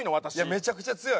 めちゃくちゃ強い。